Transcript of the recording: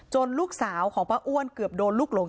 ลูกสาวของป้าอ้วนเกือบโดนลูกหลง